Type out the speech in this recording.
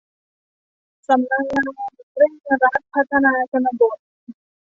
สำนักงานเร่งรัดพัฒนาชนบท